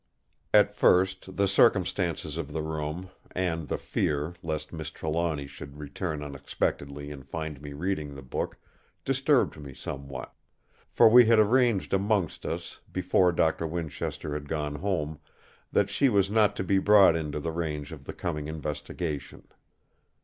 At first the circumstances of the room, and the fear lest Miss Trelawny should return unexpectedly and find me reading the book, disturbed me somewhat. For we had arranged amongst us, before Doctor Winchester had gone home, that she was not to be brought into the range of the coming investigation.